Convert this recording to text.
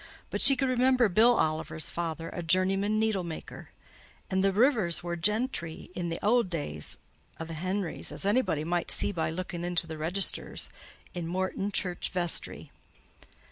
But she could remember Bill Oliver's father a journeyman needlemaker; and th' Rivers wor gentry i' th' owd days o' th' Henrys, as onybody might see by looking into th' registers i' Morton Church vestry."